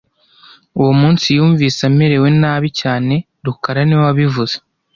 Uwo munsi yumvise amerewe nabi cyane rukara niwe wabivuze